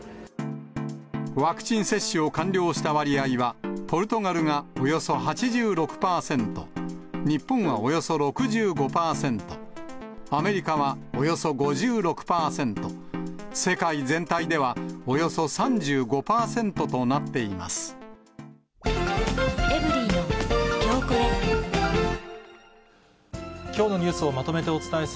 ワクチン接種を完了した割合は、ポルトガルがおよそ８６％、日本はおよそ６５％、アメリカはおよそ５６％、世界全体ではおよそ３５％となっています。